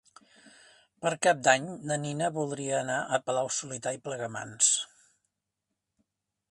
Per Cap d'Any na Nina voldria anar a Palau-solità i Plegamans.